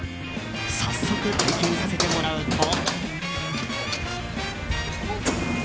早速、体験させてもらうと。